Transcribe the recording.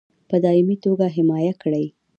په دایمي توګه حمایه کړي.